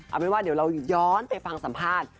เอาเป็นว่าเดี๋ยวเราย้อนไปฟังสัมภาษณ์